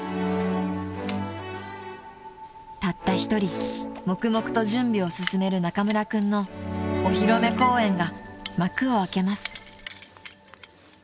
［たった一人黙々と準備を進める中村君のお披露目公演が幕を開けます］